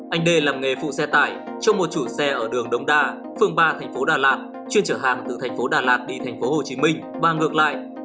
anh đê làm nghề phụ xe tải trong một chủ xe ở đường đống đa phường ba tp đà lạt chuyên chở hàng từ tp đà lạt đi tp hồ chí minh ba ngược lại